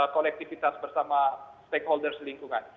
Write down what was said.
kolektivitas bersama stakeholders lingkungan